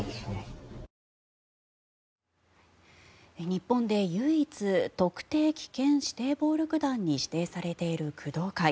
日本で唯一特定危険指定暴力団に指定されている工藤会。